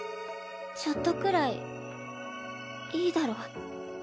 ちょっとくらいいいだろ？